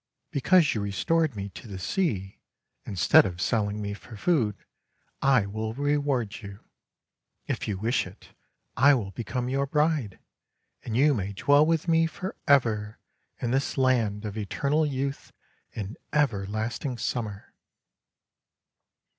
Because you restored me to the sea, instead of selling me for food, I will reward you. If you wish it, I will become your bride, and you may dwell with me for ever in this Land of Eternal Youth and Everlasting Summer."